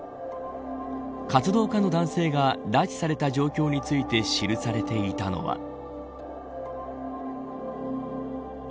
活動家の男性が拉致された状況について記されていたのは。